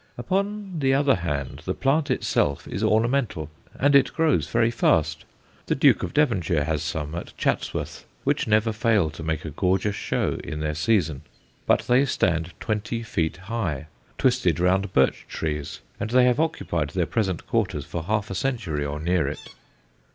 Upon the other hand, the plant itself is ornamental, and it grows very fast. The Duke of Devonshire has some at Chatsworth which never fail to make a gorgeous show in their season; but they stand twenty feet high, twisted round birch trees, and they have occupied their present quarters for half a century or near it.